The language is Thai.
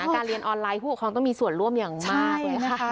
การเรียนออนไลน์ผู้ปกครองต้องมีส่วนร่วมอย่างมากเลยค่ะ